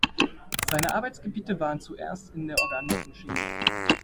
Seine Arbeitsgebiete waren zuerst in der organischen Chemie.